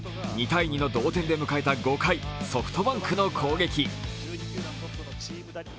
２−２の同点で迎えた５回ソフトバンクの攻撃。